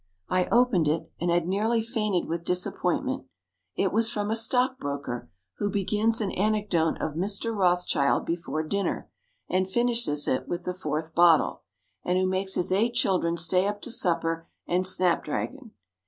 I opened it and had nearly fainted with disappointment. It was from a stock broker, who begins an anecdote of Mr. Rothschild before dinner, and finishes it with the fourth bottle and who makes his eight children stay up to supper and snap dragon.